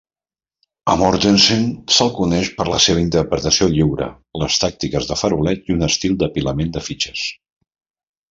A Mortensen se'l coneix per la seva interpretació lliure, les tàctiques de faroleig i un estil d'apilament de fitxes.